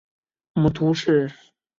母屠氏。